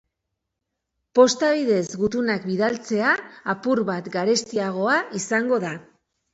Posta bidez gutunak bidaltzea apur bat garestiagoa izango da.